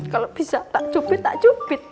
kalau bisa tak cupit tak cupit